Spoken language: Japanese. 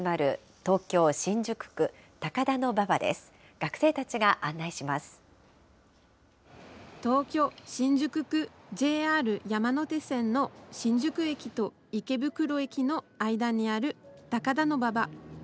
東京・新宿区、ＪＲ山手線の新宿駅と池袋駅の間にある高田馬場。